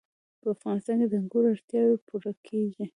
په افغانستان کې د انګورو اړتیاوې پوره کېږي.